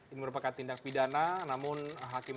ini merupakan tindak pidana namun hakim